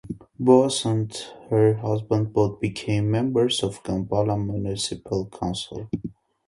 Boase and her husband both became members of Kampala municipal council.